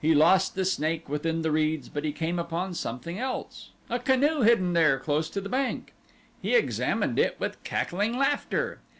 He lost the snake within the reeds but he came upon something else a canoe hidden there close to the bank. He examined it with cackling laughter.